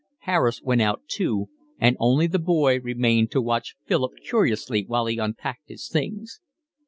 Harris went out too, and only the boy remained to watch Philip curiously while he unpacked his things.